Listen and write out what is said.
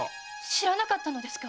知らなかったのですか？